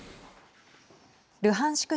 ルハンシク